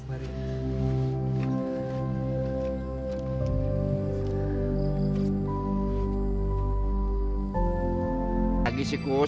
tidak ada yang bisa dihukum